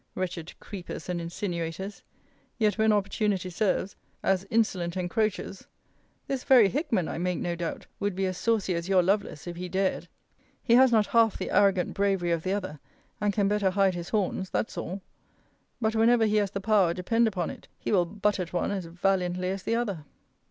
Wretched creepers and insinuators! Yet when opportunity serves, as insolent encroachers! This very Hickman, I make no doubt, would be as saucy as your Lovelace, if he dared. He has not half the arrogant bravery of the other, and can better hide his horns; that's all. But whenever he has the power, depend upon it, he will butt at one as valiantly as the other.